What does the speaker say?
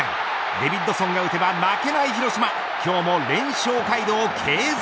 デビッドソンが打てば負けない広島。